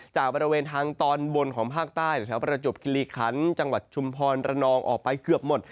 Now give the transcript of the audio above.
จากบริเวณทางตอนบนของภาคใต้แถวประจบกิริคันจังหวัดชุมพรระนองออกไปเกือบหมด